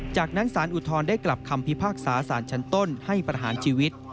จากนั้นสารอุทธรณ์ได้กลับคำพิพากษาสารชั้นต้นให้ประหารชีวิต